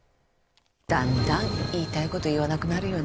だんだん言いたいこと言わなくなるよね。